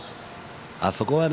あそこはね